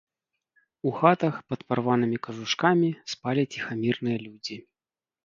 У хатах пад парванымі кажушкамі спалі ціхамірныя людзі.